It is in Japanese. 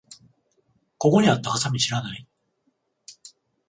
ここにあったハサミ知らない？